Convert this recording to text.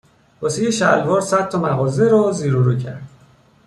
واسه یه شلوار صد تا مغازه رو زیر و رو کرد